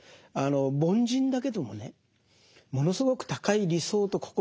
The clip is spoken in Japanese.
凡人だけどもねものすごく高い理想と志を持ってた。